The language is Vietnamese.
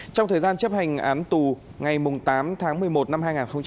trong thời gian chấp hành án tù ngày tám tháng một mươi một năm hai nghìn một mươi năm